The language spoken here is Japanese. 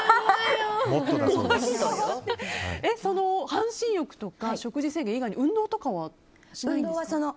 半身浴とか食事制限以外に運動とかはしないんですか？